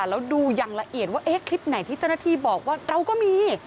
แล้วดูอย่างละเอียดว่าคลิปไหนที่เจ้าหน้าที่บอกว่าเราก็มี